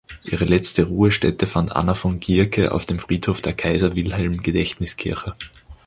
Ihre letzte Ruhestätte fand Anna von Gierke auf dem Friedhof der Kaiser-Wilhelm-Gedächtniskirche.